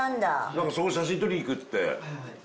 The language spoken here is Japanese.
何か写真撮りに行くって。